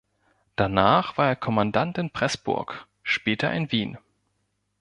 Danach war er Kommandant in Preßburg, später in Wien.